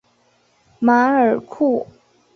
马尔库。